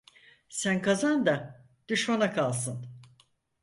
Sen kazan da düşmana kalsın.